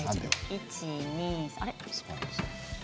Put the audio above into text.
１、２、３。